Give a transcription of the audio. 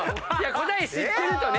答え知ってるとね。